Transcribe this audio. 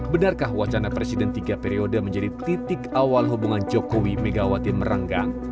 benarkah wacana presiden tiga periode menjadi titik awal hubungan jokowi megawati merenggang